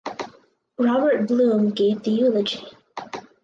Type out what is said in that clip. Robert Blum gave the eulogy.